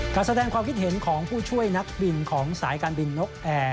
การแสดงความคิดเห็นของผู้ช่วยนักบินของสายการบินนกแอร์